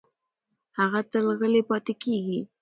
هغه تل غلې پاتې کېږي.